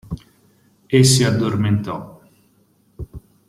E si addormentò.